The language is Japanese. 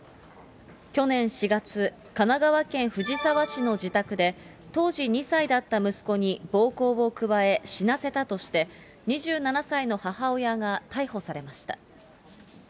去年４月、神奈川県藤沢市の自宅で、当時２歳だった息子に暴行を加え、死なせたとして、２７歳の母親が逮捕されました。